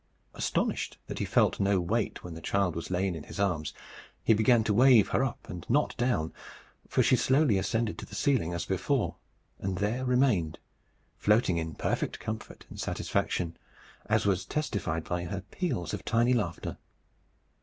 Astonished that he felt no weight when the child was laid in his arms, he began to wave her up and not down, for she slowly ascended to the ceiling as before, and there remained floating in perfect comfort and satisfaction, as was testified by her peals of tiny laughter.